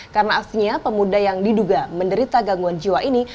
karena aslinya pemuda yang diduga menderita gangguan jiwa ini